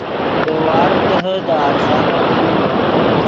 دے وارڤ دیہے دے اڤزانو نوڑ